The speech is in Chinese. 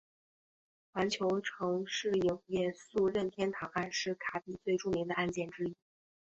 环球城市影业诉任天堂案是卡比最著名的案件之一。